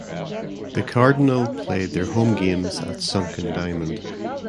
The Cardinal played their home games at Sunken Diamond.